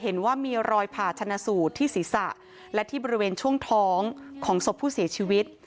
เห็นว่ามีรอยผ่าชนะสูตรที่ศีรษะและที่บริเวณช่วงท้องของศพผู้เสียชีวิต